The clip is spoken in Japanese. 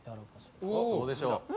どうでしょう？